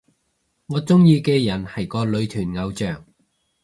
我鍾意嘅人係個女團偶像